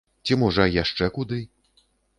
Ці, можа яшчэ куды?